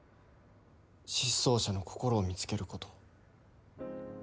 失踪者の心を見つけること。